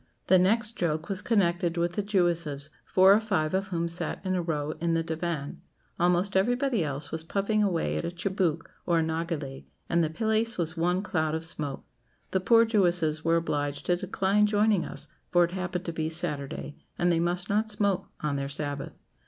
The next joke was connected with the Jewesses, four or five of whom sat in a row in the diwán. Almost everybody else was puffing away at a tchibouque or nargileh, and the place was one cloud of smoke. The poor Jewesses were obliged to decline joining us, for it happened to be Saturday, and they must not smoke on their Sabbath.